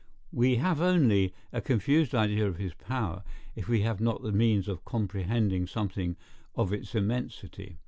We have only a confused idea of his power, if we have not the means of comprehending something of its immensity.